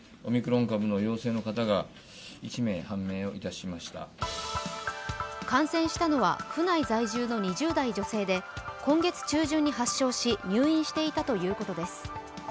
さまざまなニュースが感染したのは府内在住の２０代女性で今月中旬に発症し、入院していたということです。